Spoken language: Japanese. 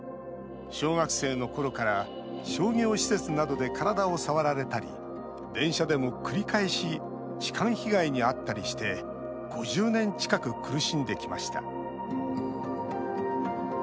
小学生のころから商業施設などで体を触られたり電車でも繰り返し痴漢被害にあったりして５０年近く苦しんできました